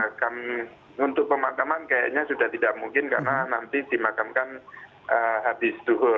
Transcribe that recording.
ya kan untuk pemakaman kayaknya sudah tidak mungkin karena nanti dimakamkan habis duhur